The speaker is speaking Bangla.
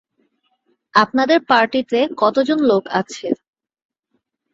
আপনাদের পার্টিতে কতজন লোক আছে?